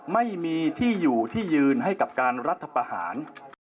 ไม่มีที่อยู่ที่ยืนให้กับการรัฐประหาร